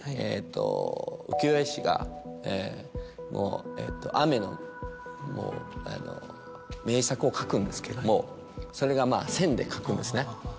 浮世絵師が雨の名作を書くんですけどもそれが線で描くんですね。